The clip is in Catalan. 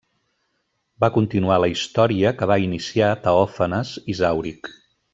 Va continuar la història que va iniciar Teòfanes Isàuric.